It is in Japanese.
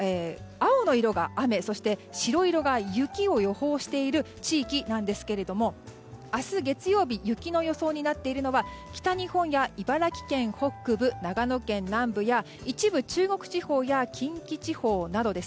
青の色が雨、そして白色が雪を予報している地域なんですが明日、月曜日雪の予想になっているのは北日本や茨城県北部、長野県南部一部の中国地方や近畿地方などです。